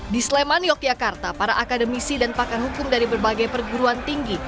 di sleman yogyakarta para akademisi dan pakar hukum dari berbagai perguruan tinggi